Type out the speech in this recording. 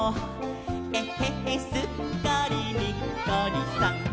「えへへすっかりにっこりさん！」